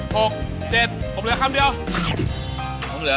๖๗ผมเหลือคำเดียว